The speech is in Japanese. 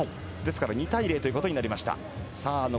２対０ということになりました。